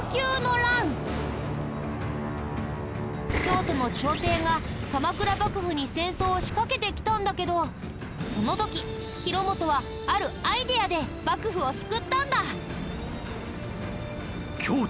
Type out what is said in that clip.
京都の朝廷が鎌倉幕府に戦争を仕掛けてきたんだけどその時広元はあるアイデアで幕府を救ったんだ。